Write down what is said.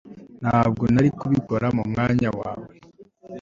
Ntabwo nari kubikora mu mwanya wawe